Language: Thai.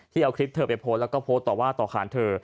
เอาคลิปเธอไปโพสต์แล้วก็โพสต์ต่อว่าต่อขานเธอ